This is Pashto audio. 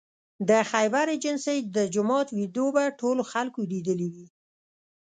د خیبر ایجنسۍ د جومات ویدیو به ټولو خلکو لیدلې وي